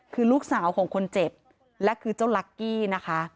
คือลูกสาวของคนเจ็บและคือเจ้าลักกี้นะคะ